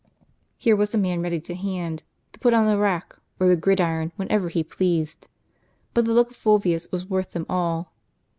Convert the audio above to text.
Here was a man ready to hand, to put on the rack, or the gridiron, whenever he pleased. But the look of Fulvius was worth them all.